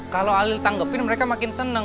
kalo halil tanggepin mereka makin seneng